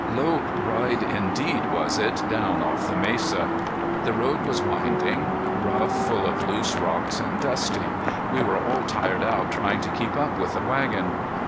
Lop? ride indeed was it down off the mesa. The road was winding, rough full of loose rocks and dusty. We were all tired out trying to keep up with the wagon.